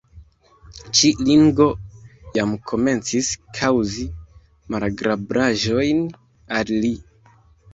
Ĉi ringo jam komencis kaŭzi malagrablaĵojn al li.